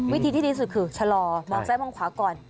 วิธีที่ดีสุดคือชะลอมองซ้ายมองขวาก่อน